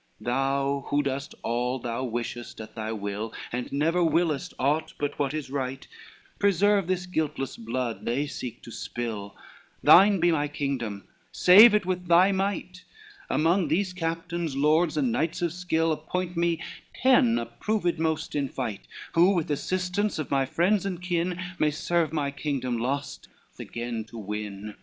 LXIII "Thou who dost all thou wishest, at thy will, And never willest aught but what is right, Preserve this guiltless blood they seek to spill; Thine be my kingdom, save it with thy might: Among these captains, lords, and knights of skill, Appoint me ten, approved most in fight, Who with assistance of my friends and kin, May serve my kingdom lost again to win.